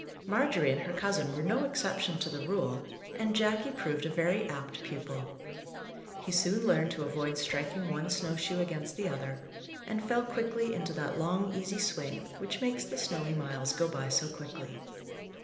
Marjorie and her cousin were no exception to the rule, and Jackie proved a very apt pupil. He soon learned to avoid striking one snow shoe against the other, and fell quickly into that long, easy swing, which makes the snowy miles go by so quickly.